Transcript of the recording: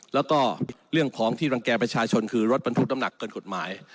แล้วก็เรื่องของที่รังแก่ประชาชนคือรถบรรทุกน้ำหนักเกินกฎหมาย